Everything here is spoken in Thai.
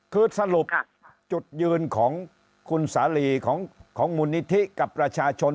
คือสรุปจุดยืนของคุณสาลีของมูลนิธิกับประชาชน